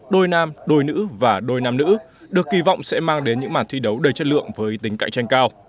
đôi nam đôi nữ và đôi nam nữ được kỳ vọng sẽ mang đến những màn thi đấu đầy chất lượng với tính cạnh tranh cao